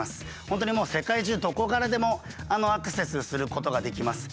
本当にもう世界中どこからでもアクセスすることができます。